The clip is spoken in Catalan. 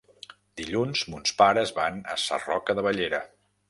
Dilluns mons pares van a Sarroca de Bellera.